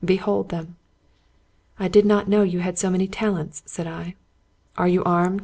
Behold them ?"" I did not know you had so many talents,'* said I. "Are you armed?"